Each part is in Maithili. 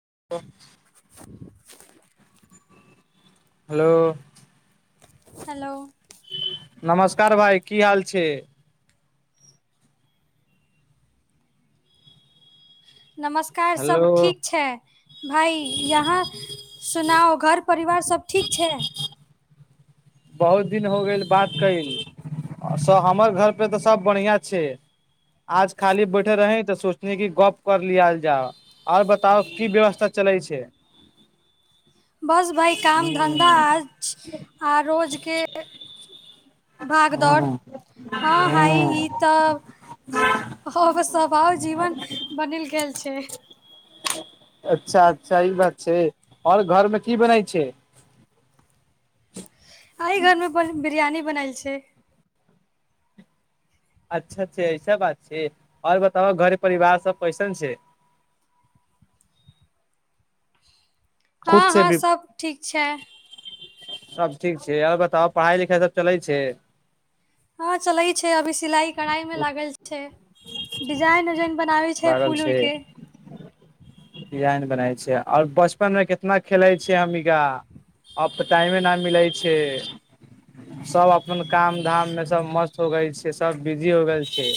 [unintelligible] हेलो हेलो नमस्कार भाइ की हाल छै नमस्कार हेलो सब ठीक छै भाइ यहाँ सुनाउ घर परिवार सब ठीक छै बहुत दिन हो गेल बात कयल हमर घर पे तऽ सभ बढ़ियाँ छै आज खाली बैठे रही तऽ सोचल कि गप कर लिया जाउ आओर बताउ की व्यवस्था चलै छै बस भाइ काम धन्धा अछि आ रोजके भागदौड़ हँ भाइ ई तऽ अब सबहक जीवन बनल गेल छै अच्छा अच्छा ई बात सछै आओर घरमे की बनै छै आइ घरमे बिरयानी बनल छै अच्छा अच्छा ऐसा बात छै आओर बताब घर परिवार सब कैसन छै खुद हँ से हँ भी सभ ठीक छै सब ठीक छै आओर बताउ पढ़ाई लिखाइ सब चलै छै हँ चलै छै अभी सिलाई कड़ाइ मे लागल छै डिजाइन उजाइन बनाबै छै फूल उलके डिजाइन बनाय छै आओर बचपन मे कितना खेलै छै हमिका अब तऽ टाइमे न मिलै छै सब अपन काम धाम मे सब मस्त हो गैल छै सब बिजी हो गैल छै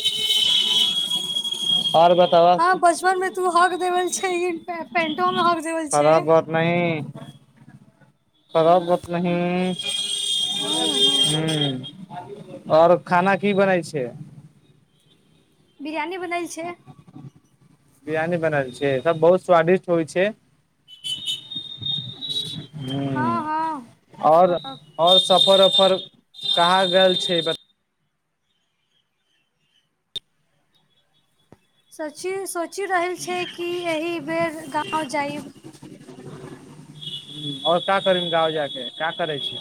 आओर बताब हँ बचपन में तू हग देवल छै पैंटोमे हग खराब बात नहि [unintelligible] हूँ हूँ ह आओर खाना की बनैए छै बिरयानी बनल छै बिरयानी बनल छै सब बहुत स्वादिष्ट होइ छै हूँ हँ हँ आओर सब आओर सफर उफर कहाँ गेल छै बता- सची- सोचि रहल छै कि एहि बेर गाँव जायब आओर का करी गाँव जा के का करै छी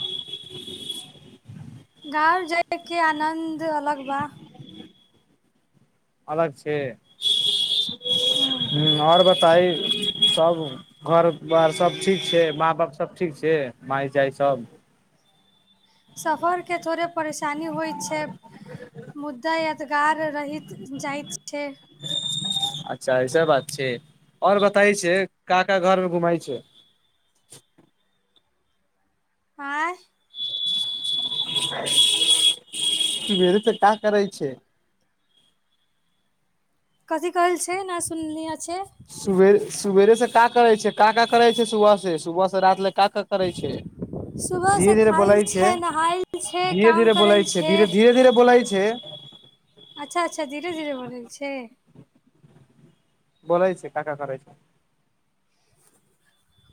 गाँव जायके आनन्द अलग बा अलग छै हूँ आओर बताई सभ घर दुआर सभ ठीक छै माँ बाप सभ ठीक छै माय जाइ सब सफर के थोड़े परेशानी होइ छै मुद्दा मददगार रहित जाइत छै अच्छा ऐसे बात छै आओर बताई छै का का घरमे घुमैत छै आँय सवेर सँ का करैत छै कथि कहल छै ना सुनलियै छै सुबेरे सुबेरे से का करै छै का का करै छै सुबह से सुबह से रात लंगि का का करै छै सुबह धीरे से धीरे खाइल बोलाै छै नहाइल छै धीरे काम धीरे बोलै करल छै धीर धीरे धीरे बोलै छै अच्छा अच्छा धीरे धीरे बोलल छै बोैलै छै का का करै छै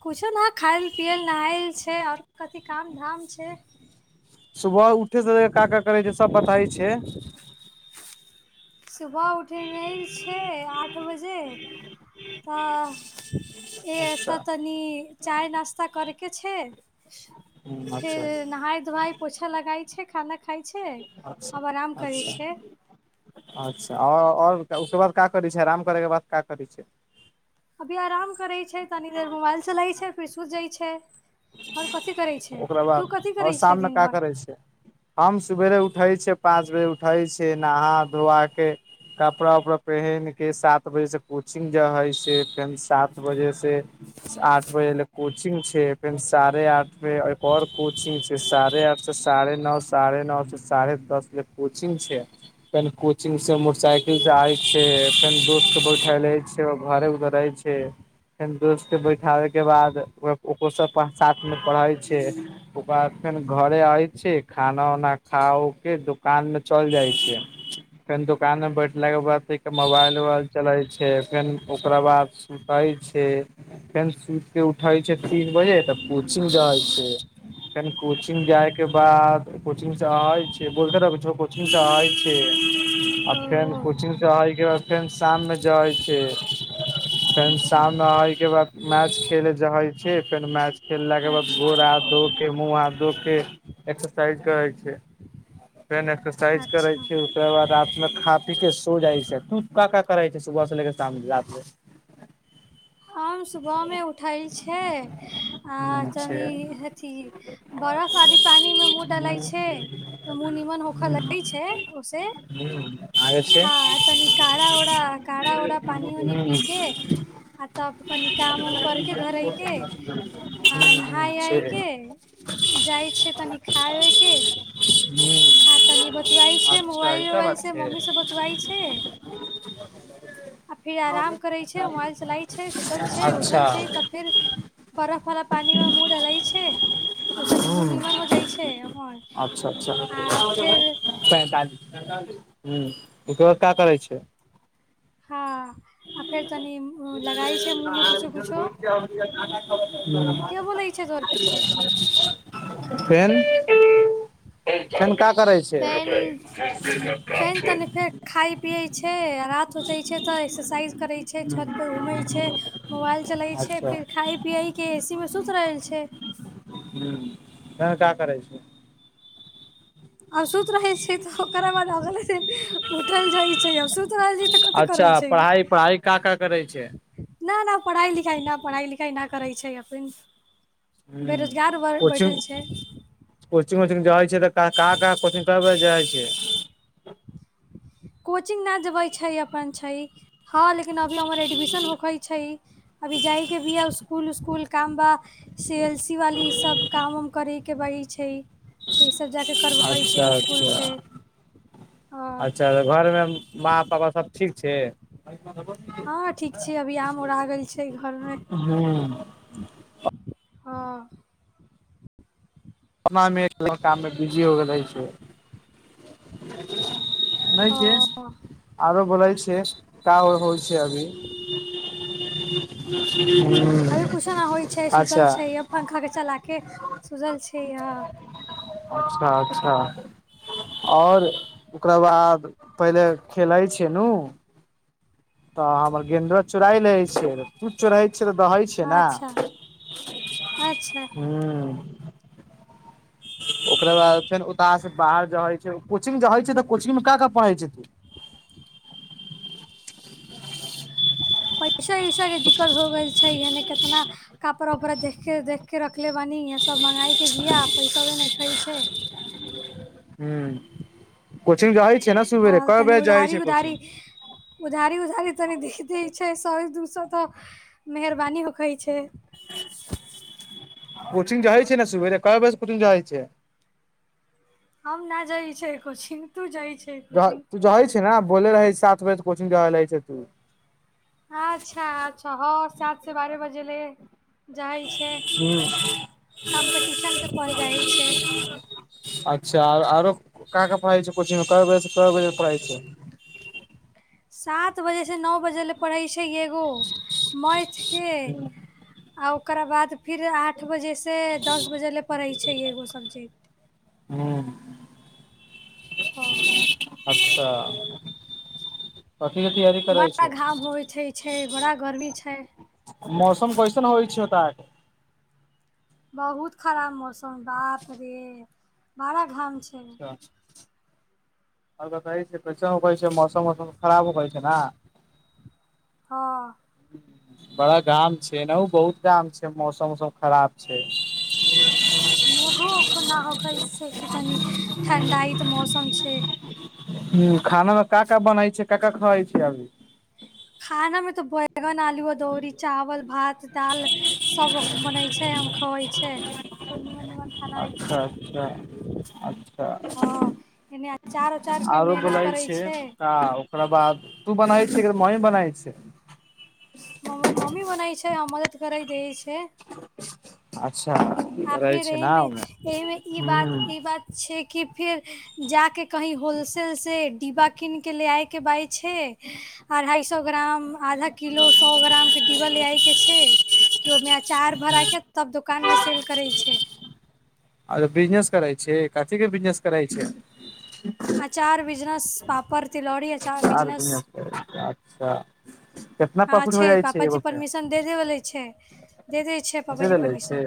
कुछो नहि खाइल पियल नहायल छै आओर कथि काम धाम छै सुबह उठ का का करै छै सब बत- पाइ छै सुबह उठना छै आठ बजे तऽ एह अच्छा तऽ तनी चाय नास्ता करैके छै ह अच्छा फेर नहाय धोआए पोछा लगा छै खाना ख खाइ छै अच्छा आब आराम करै अच्छा छै अच्छा आ आओर बताउ उके बाद क करै छै आराम करैके बाद क करै छै अभी आराम करै छै तनी देर मोबाइल चलैत छै फिर सुति जाइ छै कथी करै छै ओकरा बाद तू कथी आओर करै छै शाममे दिन का भरि करै छ हम सवेरे उठे छियै पाँच बजे उठे छै नहा धोआ के कपड़ा उपड़ा पहिन के सात बजे से कोचिंग जे हे छै फेर सात बजे से आठ बजे ले कोचिंग छै फेर साढ़े आठ एक और कोचिंग छै साढ़े आठ से साढ़े न साढ़े नओ से साढ़े दस ल कोचिंग छै फेर कोचिंग से मोटरसाइकिल सेय छै फेर दोस्त के बैठे छै घरे उधर छै फेर दोस्त के बैठाबे के बाद ओकरो साथ मे पढ़ै छै ओकर बाद फेर घरे आबै छै खाना उना खा उ के दोकानमे चल जाइ छै फेन दोकानमे बैठलाके बादके मोबाइल उबाइल चलै छै फेन ओकरा बाद सुतै छै फेन सुतिक उठै छै तीन बजे त सुनि रहल छी फेन कोचिंग जाय के बाद कोचिंग स आबै छी बोलते रहब कुछो कोचिंग स आबै छी अ फेन ओ कोचिंग से एय के बाद फेन शाममे जाइ छी फेन अच्छा शाम में ओइ के बाद मैच खेले जाइ छी फेन मैच खेललाके बाद गोर अच्छा हाथ धो के मुह हाथ धो के एक्सरसाइज करै छै फेन एक्सरसाइज करै अच्छा छी ओकर बाद रातमे खाद ठीके सो जाइ छै तू का का करै छै सुबह से लेके शाम रतिमे हम सुबहमे उठै छै आ हूँ छै तनि अथी बरफ आदि पानिमे मुँह डलाइ छै तऽ मुँह निमन होखलगै छै ओहिसँ आगे छै हँ तनि काढ़ा उढ़ा काढ़ा उढ़ा पानि उनि हूं पीके आ तब कनि काम उम करकेे घरेके आ हूं नहाय छै आय कऽ जाइ छिय तनि खाइ उय कऽ हूं आ तनि बतवइ छै अच्छा मोबाइल ई सब बात उबाइलसँ छै मम्मीसभ बतियाई छै आ फेर आराम करै छै मोबाइल चलाय छै सुतल छै अच्छा उठल छै तऽ फेर बरफवला पानिमे मुँह डलै छै ओहिसँ मुँह हूं निमन हो जाइ छै हमर अच्छा अच्छा आ फेर ह ओकरा बाद का करै छै हँ आ फेर तनि लगाई छै मुँहमे किछो किछो ह फेन [unintelligible] फेन फेन तनि फेर खइ पियैत छै रात हो जाइत छै तऽ एक्सरसाइज करैत छै छतपे घूमैत छै मोबाइल चलैत छै अच्छा फेर हूँ खाइ पिय केय के एसी में सुत रहल छै फेन का करै छी आ सुत रहै छै तऽ ओकरा बाद अगेिन उठल जाइ छै सुति रहल छै तऽ कथि कर अच्छा रहल छै पढ़ाइ पढ़ाइ का का करै छै नहि नहि पढ़ाई लिखाई नहि पढ़ाई लिखाई नहि करे छै [unintelligible] हूँ बेरोजगार ब कोचिंग बैठल छै कोचिंग उचिंग जाइ छ तऽ कहाँ कहाँ कोचिंग कर जाइ छ कोचिंग न जबै छै अपन छै हँ लेकिन अभी हमर एडमिशन होक छै अभी जाय के भी ह स्सकुल उस्कुल कामबा सी एल सी वाली सब काम उम करै के बड़ी छै तऽ ई सब जाकऽ करबै अच्छा छै इस्कुल अच्छा से घर में माँ पापा सब ठीक छै हँ ठीक छ अभी आम ओर आ गेल छै घर में हूँ हँ प्रणमे एक कामे बीजी हो रहै छै नहि के हँ आरो बोलै छै क होइ छै अभी अभी कुछो नहि होइ छै ह सुतल अच्छा छै कैहया अच्छा अच्छा आओर ओकर बाद पहिले खेलइ छेनु तऽ हमर गेंदो चोराइल रहे छै किछ चोे तऽ दऽ होै छै ने अच्छा अच्छा ह ओकरा बाद फेर ओता से बाहर जै छै कोचिंग जै छै तऽ कोचिंग मे क कऽ पढ़ै छै तू प ऐसा ऐसा के दिक्कत हो गेल छै यने केतना कपड़ा उपड़ा देखे के देख के रखले बनी य सब सब मँगाइके बिआ पैसे नहि खाइ छै ह कोचिंग जइ हँ तनि उधारी उधारी उधारी उधारी तनि दे दै छै सए दू सए त मेहरबानी होइ छै कोचिंग जाइ छै न सुबेरे काए बजे से कोचिंग जाइ छै हम ना जाइ छै कोचिंग तू जाइ- छै जा कोचिंग तू जाइ छै न बोलले रहै साथ कोचिंग जा लैय छै तू अच्छा अ छ सातसँ बारह बजे ले जाइ छै हूँ, कॉम्पटिशनके के जाइ छै अच्छा आरो का का पढ़ै छै कोचिंग में कए बजे कए बजे पढ़इ छै सात बजे से नौऽ बजे ले पढ़ै छै एगो मैथ के आओर ओकरा बाद फिर आठ बजेसँ दस बजे ले पढ़ै छै एगो सब्जेक्ट हूँ हँ अच्छा कथि के तैयारी करै बड़ा छै घाम होइते छै छै बड़ा गर्मी छै मौसम कैसन होइ छै ओतऽ बहुत खराब मौसम तो बाप रे बराऽ घाम छै [unintelligible] ओ कहै छै कैसन होैइ छै मौसम वौसम खराब होइ छै न हाँ बड़ा गाम छै न उ बहुत गाम छै मौसम ओसम खराब छै मेघो ओखन ना ओखै छै की तनी ठण्डाइत मौसम छै हूँ खानामे का का बनैय छै का का खाइ छै अभी खानामे तऽ ब- -बैगन आलूओ दौरी चावल भात दाल सब बनै छै आम खबै छै निमन खाना होइ अच्छा छै अच्छा अच्छा हँ एने अचार उचार के आरो मेहनत बोलै करै छै का ओकरा बाद तू बनैह छी की मम्मी बनै छै। म-म- मम्मी बनै छै हम मदद करै देैय छै आ आ फेर एमे छै एमे ई बात ई ह बात छै कि फेर जाके कहीं होल सेल से डिब्बा कीन के ले आइके बाइ छै अढ़ाय सौ ग्राम आधा किलो, सौ ग्रामके डिबा लै आइके छै की ओमे अचार भराके तब दोकान मे सेेल करै छै आर बिजनेस करै छै कथि के बिजनेस करै छै अचार बिजनेस पापड़, तीलोड़ी अ - अचार बिजनेस छै अच्छा केतना हँ प्रॉफिट हो जाइ छै पापाजी एगो पे परमिशन दे देबले छै दे दै छै दे पापाजी देले छै परमिशन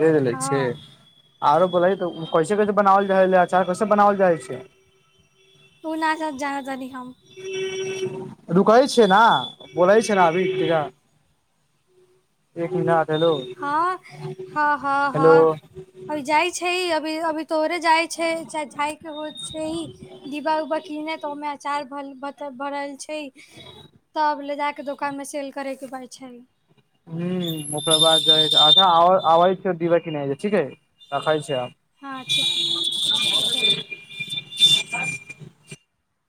दे देले छै हँ आरो बोलही तऽ उ- कैसे कैसे बनावल जाइ हलै अचार कैसे बनावल जाइ छै ओ ना जाना तानि हम रुकल छियै न बोलै छै न अभी भैया एक मिनट हेलो हाँ हाँ हाँ हेलो हाँ अभी जाइ छै अ - -अभी अभी तोड़े जाइ छै चाहे जाइ के होय छै डिब्बा उब्बा किने त ओमे अचार भलै बते भरल छै तब ले जाके दोकानमे सेल करै के पड़ै छै हूँ ओकरा बाद जाइ अधा आओर अबै छै डिबा किने एजा ठीक हय रखै छीयै आब हहाँ ठीक ठीक हय